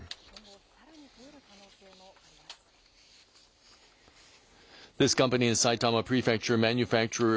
今後、さらに増える可能性もあります。